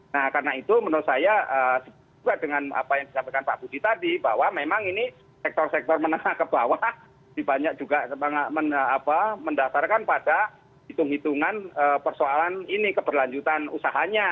nah karena itu menurut saya juga dengan apa yang disampaikan pak budi tadi bahwa memang ini sektor sektor menengah ke bawah lebih banyak juga mendasarkan pada hitung hitungan persoalan ini keberlanjutan usahanya